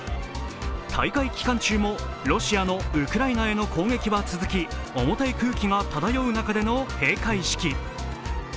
大会期間中も、ロシアのウクライナへの攻撃は続き重たい空気が漂う中での閉会式。